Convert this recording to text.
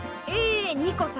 ニコさん